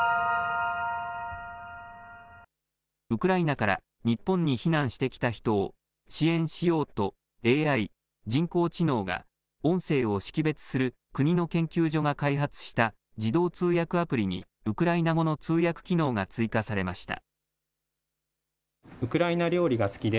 ウクライナから日本に避難してきた人を支援しようとＡＩ・人工知能が音声を識別する国の研究所が開発した自動通訳アプリにウクライナ語の通訳機能が追加されました。